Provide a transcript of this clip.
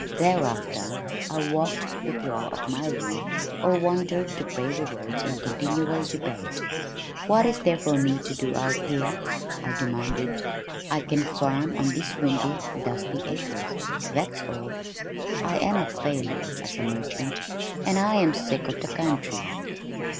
Thereafter I walked the floor of my room or wandered the prairie roads in continual debate. "What is there for me to do out here?" I demanded. "I can farm on these windy dusty acres that's all. I am a failure as a merchant and I am sick of the country."